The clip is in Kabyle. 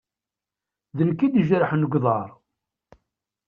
D nekk i d-ijerḥen g uḍaṛ.